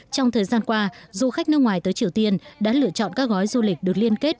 trong thời gian qua du khách nước ngoài tới triều tiên đã lựa chọn các gói du lịch được liên kết